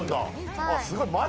すごい！